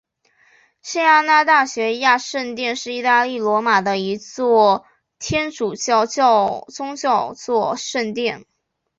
圣亚纳大西亚圣殿是意大利罗马的一座天主教宗座圣殿。